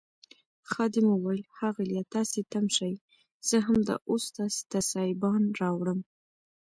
خادم وویل ښاغلیه تاسي تم شئ زه همدا اوس تاسي ته سایبان راوړم.